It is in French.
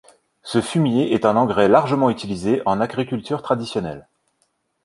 Ce fumier est un engrais largement utilisé en agriculture traditionnelle.